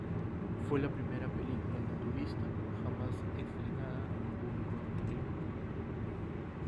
Fue la primera película naturista jamás estrenada en público en el Reino Unido.